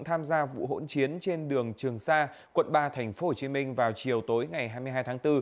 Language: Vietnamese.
tham gia vụ hỗn chiến trên đường trường sa quận ba tp hcm vào chiều tối ngày hai mươi hai tháng bốn